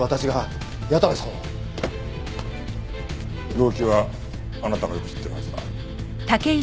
動機はあなたがよく知ってるはずだ。